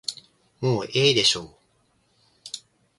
もうええでしょう。